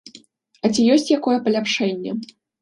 А ці ёсць якое паляпшэнне?